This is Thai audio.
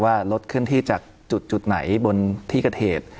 ว่ารดขึ้นที่จากจุดไหนบนที่กระเทศ